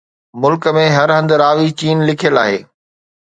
ملڪ ۾ هر هنڌ راوي چين لکيل آهي